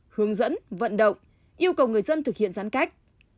hướng dẫn vận động yêu cầu người dân thực hiện giãn cách